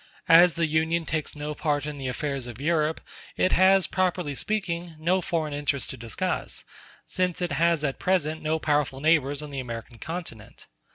As the Union takes no part in the affairs of Europe, it has, properly speaking, no foreign interests to discuss, since it has at present no powerful neighbors on the American continent.